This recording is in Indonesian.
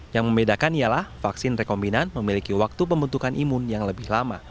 yang membedakan ialah vaksin rekombinan memiliki waktu pembentukan imun yang lebih lama